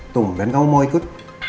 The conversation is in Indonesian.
tung ben kamu mau ikut